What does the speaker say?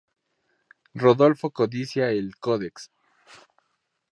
Rodolfo codicia el "Codex".